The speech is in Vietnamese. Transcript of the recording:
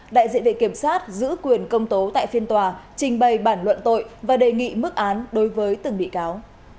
đại diện viện kiểm sát giữ quyền công tố tại phiên tòa trình bày bản luận tội và đề nghị mức án đối với từng bị cáo